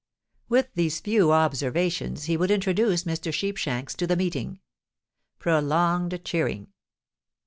_) With these few observations, he would introduce Mr. Sheepshanks to the meeting. (_Prolonged cheering.